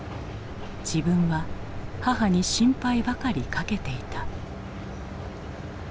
自分は母に心配ばかりかけていた。